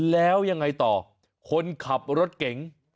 แล้วยังไงต่อคนขับรถเก๋ง